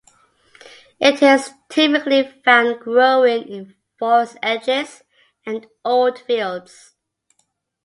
It is typically found growing in forest edges and old fields.